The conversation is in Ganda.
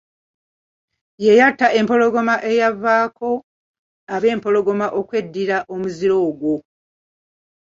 Ye yatta empologoma eyavaako abempologoma okweddira omuziro ogwo.